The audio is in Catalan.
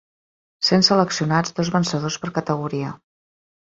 Sent seleccionats dos vencedors per categoria.